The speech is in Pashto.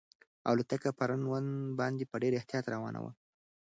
الوتکه په رن وې باندې په ډېر احتیاط روانه وه.